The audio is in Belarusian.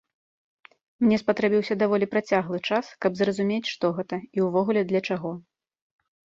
Мне спатрэбіўся даволі працяглы час, каб зразумець, што гэта, і ўвогуле для чаго.